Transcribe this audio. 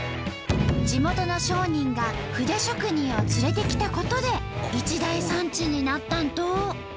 地元の商人が筆職人を連れてきたことで一大産地になったんと！